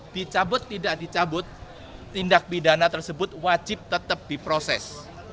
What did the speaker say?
dicabut tidak dicabut tindak pidana tersebut wajib tetap diproses